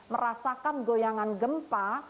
merasakan goyangan gempa